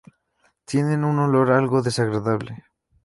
Tienen un olor algo desagradable.